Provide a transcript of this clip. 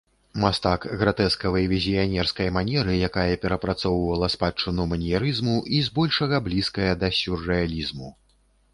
Мастак гратэскавай візіянерскай манеры, якая перапрацоўвала спадчыну маньерызму і збольшага блізкая да сюррэалізму.